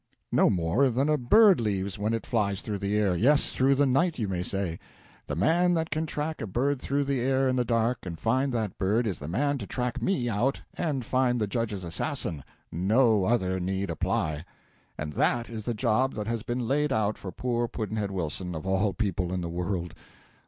No more than a bird leaves when it flies through the air yes, through the night, you may say. The man that can track a bird through the air in the dark and find that bird is the man to track me out and find the Judge's assassin no other need apply. And that is the job that has been laid out for poor Pudd'nhead Wilson, of all people in the world!